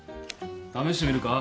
試してみるか？